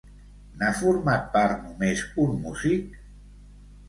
N'ha format part només un músic?